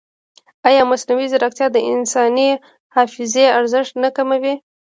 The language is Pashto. ایا مصنوعي ځیرکتیا د انساني حافظې ارزښت نه کموي؟